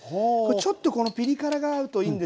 ちょっとこのピリ辛があるといいんですよ。